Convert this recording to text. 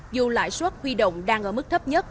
dù lãi suất huy động đang ở mức thấp nhất